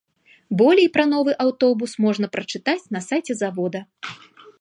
Болей пра новы аўтобус можна прачытаць на сайце завода.